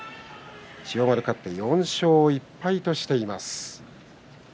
千代丸が勝って４勝１敗としています。